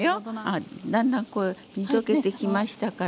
あっだんだんこれ煮溶けてきましたからね